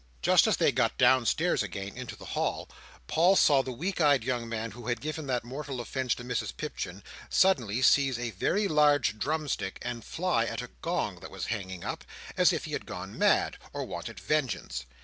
Just as they got downstairs again into the hall, Paul saw the weak eyed young man who had given that mortal offence to Mrs Pipchin, suddenly seize a very large drumstick, and fly at a gong that was hanging up, as if he had gone mad, or wanted vengeance.